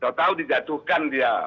tau tau di jatuhkan dia